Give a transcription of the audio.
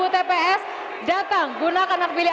tps datang gunakan hak pilih